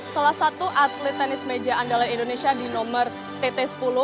salah satu atlet tenis meja andalan indonesia di nomor tt sepuluh